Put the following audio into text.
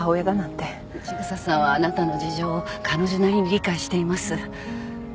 千草さんはあなたの事情を彼女なりに理解しています。